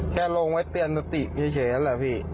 แค่ลงไว้เตือนสติเฉยแหละพี่